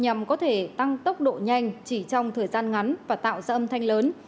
nhằm có thể tăng tốc độ nhanh chỉ trong thời gian ngắn và tạo ra âm thanh lớn